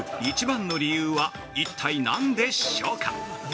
一番の理由は、一体何でしょうか？